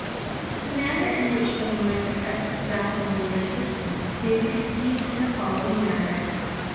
The manner in which the mind affects the vasomotor system may be conceived in the following manner.